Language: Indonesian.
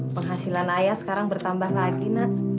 penghasilan ayah sekarang bertambah lagi nak